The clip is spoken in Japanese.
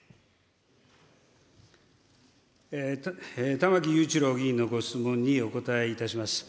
玉木雄一郎議員のご質問にお答えいたします。